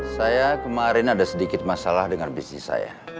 saya kemarin ada sedikit masalah dengan bisnis saya